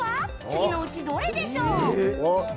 次のうちどれでしょう。